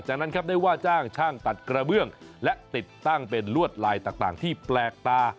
จากนั้นครับได้ว่าจ้างช่างตัดกระเบื้องและติดตั้งเป็นลวดลายต่างที่แปลกตา